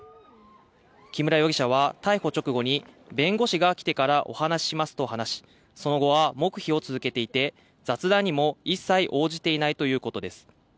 木村容疑者は逮捕直後に、弁護士が来てからお話ししますと話し、その後は黙秘を続けていて雑談にも一切応じていないということです。